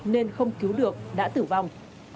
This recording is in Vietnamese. nên không cứu được đã tử vong